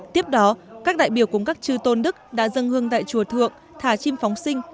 tiếp đó các đại biểu cùng các chư tôn đức đã dâng hương tại chùa thượng thà chim phóng sinh